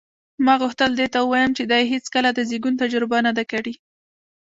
ما غوښتل دې ته ووایم چې دې هېڅکله د زېږون تجربه نه ده کړې.